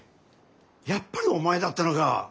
やっぱりお前だったのか。